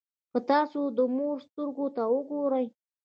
که تاسو د مور سترګو ته وګورئ.